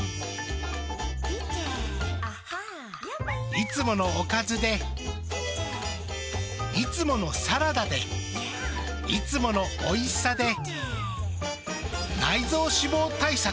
いつものおかずでいつものサラダでいつものおいしさで内臓脂肪対策。